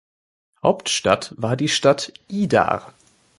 Hauptstadt war die Stadt Idar.